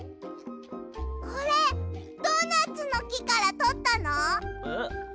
これドーナツのきからとったの？え？